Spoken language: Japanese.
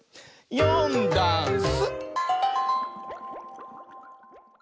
「よんだんす」